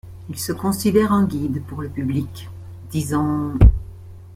Il se considère un guide pour le public, disant qu'.